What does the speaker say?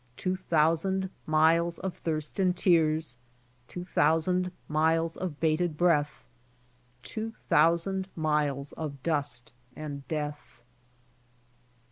Two thousand miles of thirst, and tears, Two thousand miles of bated breath Two thousand miles of dust and death."